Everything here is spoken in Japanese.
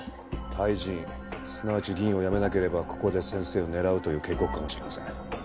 退陣すなわち議員を辞めなければここで先生を狙うという警告かもしれません。